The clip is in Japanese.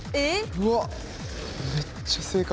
うわっめっちゃ正確。